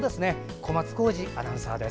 小松宏司アナウンサーです。